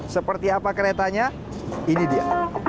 seperti apa keretanya ini dia